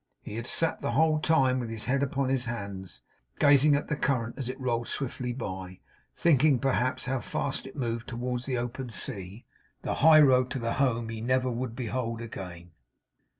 He had sat the whole time with his head upon his hands, gazing at the current as it rolled swiftly by; thinking, perhaps, how fast it moved towards the open sea, the high road to the home he never would behold again.